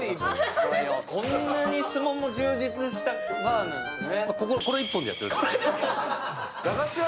こんなに、すもも充実したバーなんですね。